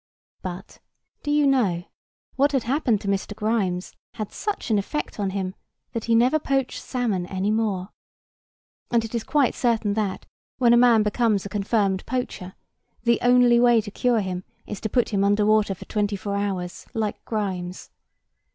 But, do you know, what had happened to Mr. Grimes had such an effect on him that he never poached salmon any more. And it is quite certain that, when a man becomes a confirmed poacher, the only way to cure him is to put him under water for twenty four hours, like Grimes.